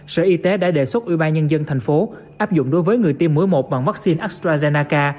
sở y tế đã đề xuất ủy ban nhân dân thành phố áp dụng đối với người tiêm mũi một bằng vaccine astrazeneca